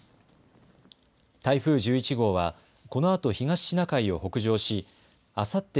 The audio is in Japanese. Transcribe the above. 台風１１号はこのあと東シナ海を北上しあさって